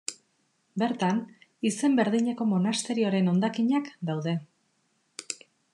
Bertan, izen berdineko monasterioaren hondakinak daude.